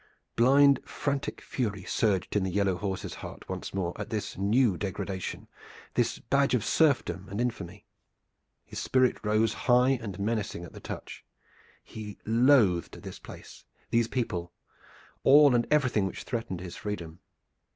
Blind, frantic fury surged in the yellow horse's heart once more at this new degradation, this badge of serfdom and infamy. His spirit rose high and menacing at the touch. He loathed this place, these people, all and everything which threatened his freedom.